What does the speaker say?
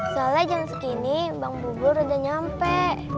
soalnya jam segini bank bubur udah nyampe